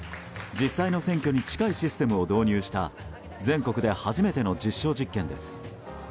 実際の選挙に近いシステムを導入した全国で初めての実証実験です。